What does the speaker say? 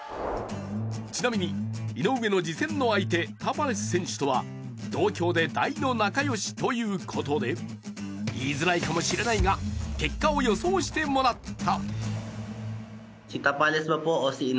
ちなみに、井上の次戦の相手タパレス選手とは同郷で大の仲良しということで言いづらいかもしれないが、結果を予想してもらった。